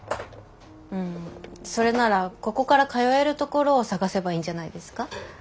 うんそれならここから通えるところを探せばいいんじゃないですか？